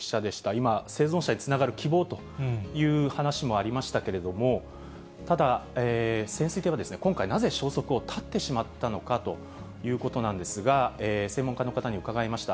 今、生存者につながる希望という話もありましたけれども、ただ潜水艇は、今回なぜ、消息を絶ってしまったのかということなんですが、専門家の方に伺いました。